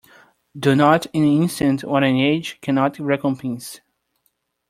Do not in an instant what an age cannot recompense.